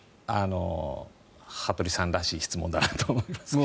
羽鳥さんらしい質問だなと思いますが。